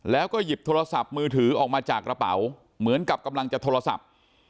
แล้วก็หยิบโทรศัพท์มือถือออกมาจากกระเป๋าเหมือนกับกำลังจะโทรศัพท์